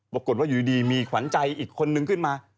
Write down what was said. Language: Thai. ปรากฏว่าอยู่ดีมีขวัญใจอีกคนนึงขึ้นมา